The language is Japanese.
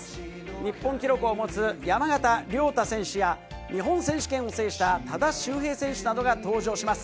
日本記録を持つ山縣亮太選手や、日本選手権を制した多田修平選手などが登場します。